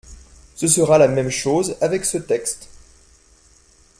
Ce sera la même chose avec ce texte.